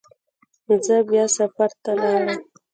زه بیا سفر ته لاړم.